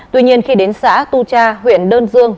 tuy nhiên khi đến xã tu cha huyện đơn dương